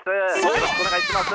よろしくお願いします。